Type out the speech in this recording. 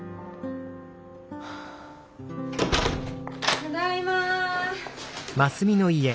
ただいま。